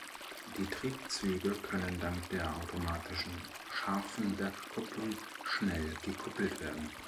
Die Triebzüge können dank der automatischen Scharfenbergkupplung schnell gekuppelt werden.